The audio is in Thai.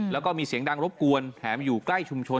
แล้วก็มีเสียงดังรบกวนแถมอยู่ใกล้ชุมชน